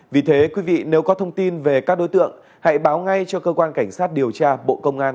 vì thế quý vị nếu có thông tin về các đối tượng hãy báo ngay cho cơ quan cảnh sát điều tra bộ công an